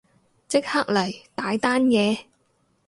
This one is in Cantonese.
即刻嚟，大單嘢